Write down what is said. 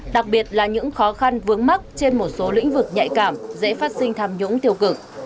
đặc biệt là những khó khăn vướng mắt trên một số lĩnh vực nhạy cảm dễ phát sinh tham nhũng tiêu cực